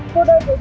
cô đơn vẫn mạng